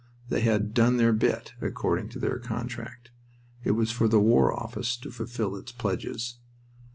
They had "done their bit," according to their contract. It was for the War Office to fulfil its pledges.